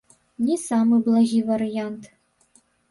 Не самы благі варыянт.